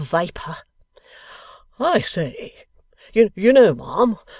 'Viper!' 'I say! You know ma'am.